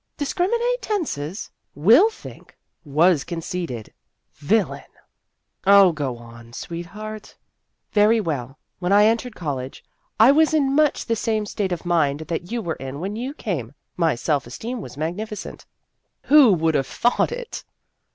"Discriminate tenses? 'will think ' 'was conceited.' Villain !"" Oh, go on, sweetheart." " Very well, when I entered college, I was in much the same state of mind that you were in when you came my self esteem was magnificent." " Who would have thought it